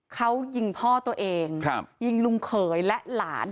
เขายิงพ่อตัวเองยิงลุงเขยและหลาน